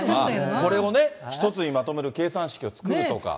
これをね、一つにまとめる計算式を作るとか。